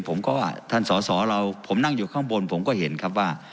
ผมก็ว่าท่านสอสอเราผมนั่งอยู่ข้างบนผมก็เห็นครับว่า